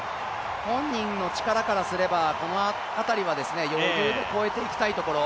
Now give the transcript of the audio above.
本人の力からすれば、この辺りは余裕で超えていきたいところ。